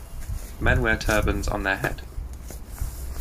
Men wear turbans on their head.